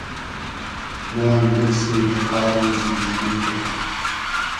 مۉ ام بیرسی دۂ کار و زیندئگی خو